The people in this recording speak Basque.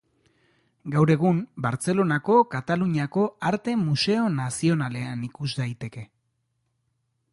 Gaur egun Bartzelonako Kataluniako Arte Museo Nazionalean ikus daiteke.